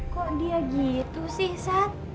kok dia gitu sih sat